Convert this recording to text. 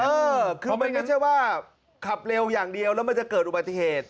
เออคือมันก็ใช่ว่าขับเร็วอย่างเดียวแล้วมันจะเกิดอุบัติเหตุ